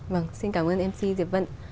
vâng xin cảm ơn mc diệp vân